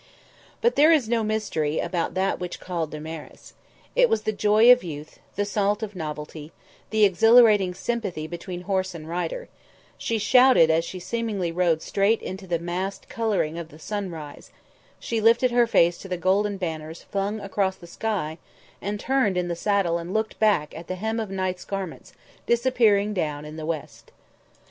But there is no mystery about that which called Damaris. It was the joy of youth, the salt of novelty, the exhilarating sympathy between horse and rider; she shouted as she seemingly rode straight into the massed colouring of the sunrise; she lifted her face to the golden banners flung across the sky and turned in the saddle and looked back at the hem of Night's garments disappearing down in the west.